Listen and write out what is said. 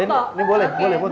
ini boleh boleh foto